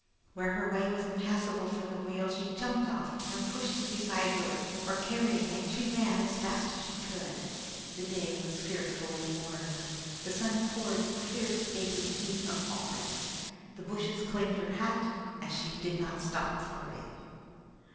Where her way was impassable for the wheel, she jumped off, and pushing it beside her or carrying it, she ran as fast as she could. The day was fearfully warm. The sun poured with the fierce baking heat of August. The bushes claimed her hat, and she did not stop for it.